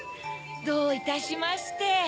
どういたしまして。